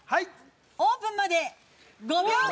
オープンまで５秒前。